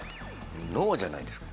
脳じゃないですか？